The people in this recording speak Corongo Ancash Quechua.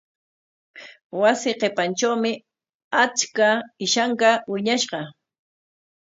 Wasi qipantrawmi achka ishanka wiñashqa.